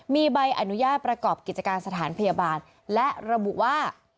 มีใบอนุญาตประกอบกิจการสถานพยาบาลและระบุว่า